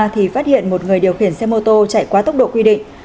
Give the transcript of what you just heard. thì phát hiện một người điều khiển xe mô tô chạy quá tốc độ quy định